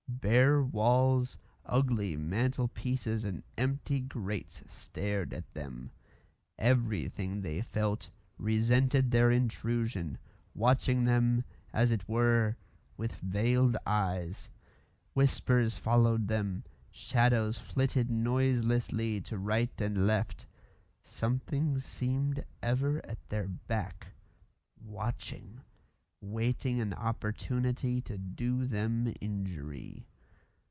Bare walls, ugly mantel pieces and empty grates stared at them. Everything, they felt, resented their intrusion, watching them, as it were, with veiled eyes; whispers followed them; shadows flitted noiselessly to right and left; something seemed ever at their back, watching, waiting an opportunity to do them injury.